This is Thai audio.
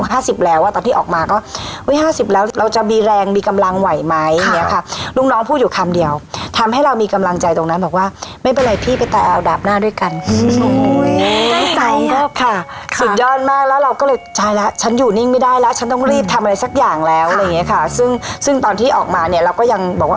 ไหมค่ะเนี้ยค่ะลูกน้องพูดอยู่คำเดียวทำให้เรามีกำลังใจตรงนั้นบอกว่าไม่เป็นไรพี่ไปตายเอาดาบหน้าด้วยกันโอ้ยใกล้ใจแล้วค่ะสุดยอดมากแล้วเราก็เลยใช่แล้วฉันอยู่นิ่งไม่ได้แล้วฉันต้องรีบทำอะไรสักอย่างแล้วค่ะอะไรอย่างเงี้ยค่ะซึ่งซึ่งตอนที่ออกมาเนี้ยเราก็ยังบอกว่า